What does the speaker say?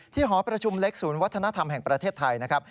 หอประชุมเล็กศูนย์วัฒนธรรมแห่งประเทศไทยนะครับ